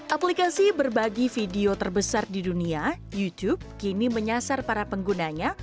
aplikasi berbagi video terbesar di dunia youtube kini menyasar para penggunanya